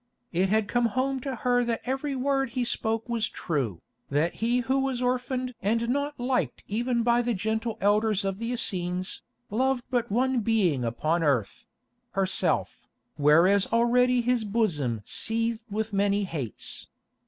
It had come home to her that every word he spoke was true, that he who was orphaned and not liked even by the gentle elders of the Essenes, loved but one being upon earth—herself, whereas already his bosom seethed with many hates.